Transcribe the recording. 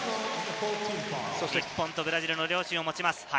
日本とブラジルの両親を持ちます。